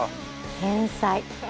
天才。